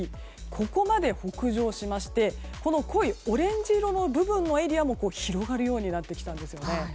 ここまで北上しまして濃いオレンジ色の部分のエリアも広がるようになってきたんですよね。